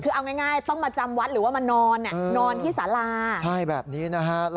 คือเอาง่ายต้องมาจำวัดหรือมานอนไงนอนที่สาระ